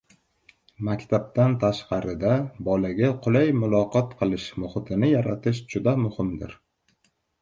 Maktabdan tashqarida bolaga qulay muloqot qilish muhitini yaratish juda muhimdir.